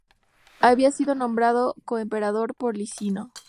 Había sido nombrado coemperador por Licinio.